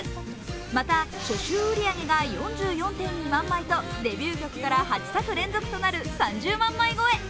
また、初週売り上げが４４．２万枚とデビュー曲から８作連続となる３０万枚超え。